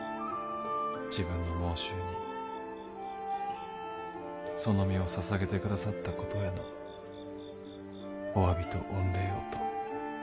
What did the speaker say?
自分の妄執にその身をささげて下さったことへのお詫びと御礼をと。